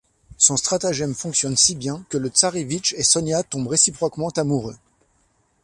Son stratagème fonctionne si bien que le tsarévitch et Sonia tombent réciproquement amoureux.